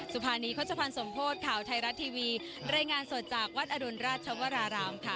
ภานีโฆษภัณฑ์สมโพธิข่าวไทยรัฐทีวีรายงานสดจากวัดอดุลราชวรารามค่ะ